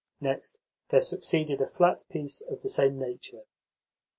Next there succeeded a flat piece of the same nature.